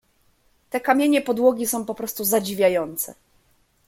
"Te kamienie podłogi są poprostu zadziwiające."